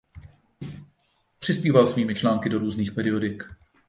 Přispíval svými články do různých periodik.